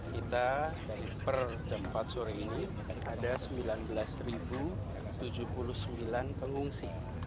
kita per jam empat sore ini ada sembilan belas tujuh puluh sembilan pengungsi